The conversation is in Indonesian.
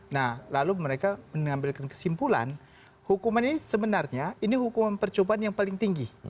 nah lalu mereka mengambil kesimpulan hukuman ini sebenarnya ini hukuman percobaan yang paling tinggi